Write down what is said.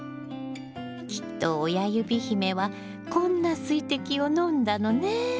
きっと親指姫はこんな水滴を飲んだのね。